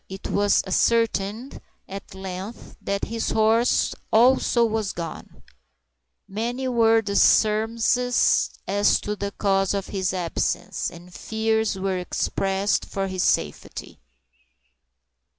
It was ascertained, at length, that his horse also was gone. Many were the surmises as to the cause of his absence, and fears were expressed for his safety.